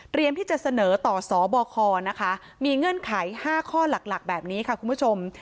ที่จะเสนอต่อสบคนะคะมีเงื่อนไข๕ข้อหลักแบบนี้ค่ะคุณผู้ชม